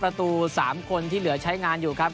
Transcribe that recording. ประตู๓คนที่เหลือใช้งานอยู่ครับ